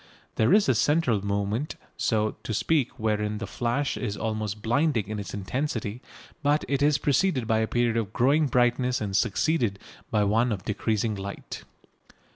There is a central moment, so to speak wherein the flash is almost blinding in its intensity, but it is preceded by a period of growing brightness and succeeded by one of decreasing light.